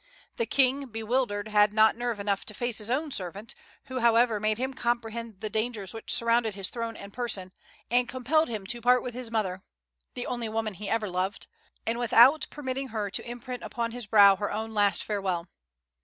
The King, bewildered, had not nerve enough to face his own servant, who however made him comprehend the dangers which surrounded his throne and person, and compelled him to part with his mother, the only woman he ever loved, and without permitting her to imprint upon his brow her own last farewell.